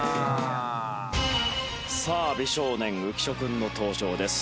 さあ美少年浮所君の登場です。